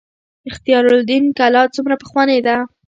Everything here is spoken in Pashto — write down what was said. اختیار الدین کلا څومره پخوانۍ ده؟